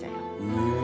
へえ